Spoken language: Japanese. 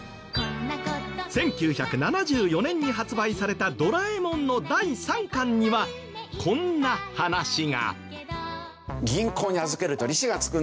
１９７４年に発売された『ドラえもん』の第３巻にはこんな話が。